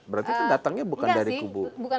berarti kan datangnya bukan dari kubu